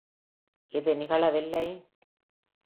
இது நிகழவில்லை.